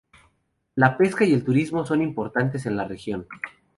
La pesca y el turismo son importantes en la región.